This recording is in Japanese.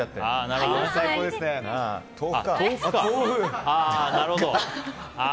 なるほど。